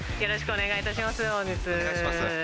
お願いします。